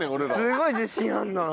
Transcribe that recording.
すごい自信あるんだな。